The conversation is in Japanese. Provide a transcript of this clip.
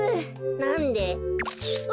なんで？